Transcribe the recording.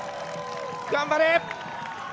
頑張れ！